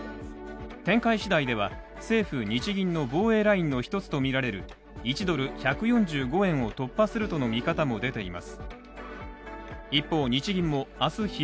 展開次第では、政府・日銀の防衛ラインの一つとみられる１ドル＝１４５円を突破するとの見方も出ています。